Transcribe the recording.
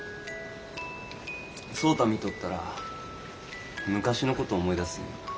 蒼太見とったら昔の事思い出すんよ。